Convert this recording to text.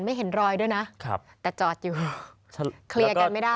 เห็นรอยด้วยนะครับแต่จอดอยู่เคลียร์กันไม่ได้